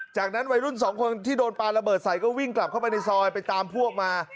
จากนั้นวัยรุ่นสองคนที่โดนปลาระเบิดใส่ก็วิ่งกลับเข้าไปในซอยไปตามพวกมา